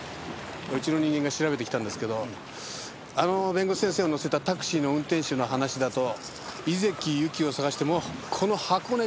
うちの人間が調べてきたんですけどあの弁護士先生を乗せたタクシーの運転手の話だと井関ゆきを捜してもうこの箱根中